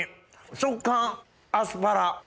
食感アスパラ。